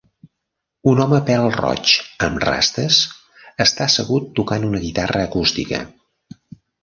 Un home pèl-roig amb rastes està assegut tocant una guitarra acústica.